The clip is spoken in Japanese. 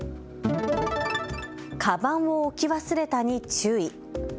かばんを置き忘れたに注意。